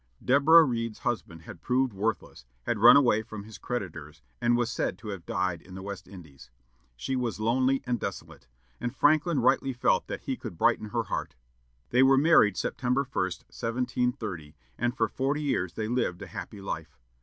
Deborah Read's husband had proved worthless, had run away from his creditors, and was said to have died in the West Indies. She was lonely and desolate, and Franklin rightly felt that he could brighten her heart. They were married September 1, 1730, and for forty years they lived a happy life.